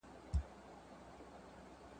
هره لیکنه او رسم مانا لري.